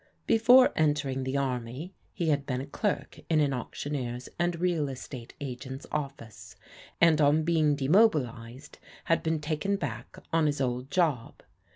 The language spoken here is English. Before entering the army he had been a clerk in an auctioneer's and real estate agent's office, and on being demobilized had been taken back on his old job.